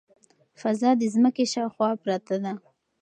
فضا د ځمکې شاوخوا پرته ده.